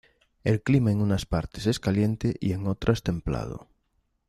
El clima en unas partes es caliente y en otras templado.